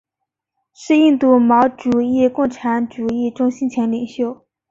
是印度毛主义共产主义中心前领袖。